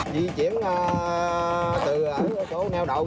di chuyển từ chỗ neo đậu